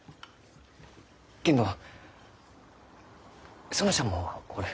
けんど園ちゃんもおる。